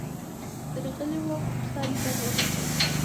درغلی وم، خو ستا دیدن ونه شو.